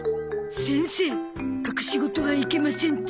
先生隠しごとはいけませんぜ。